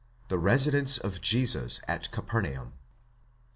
THE RESIDENCE OF JESUS AT CAPERNAUM.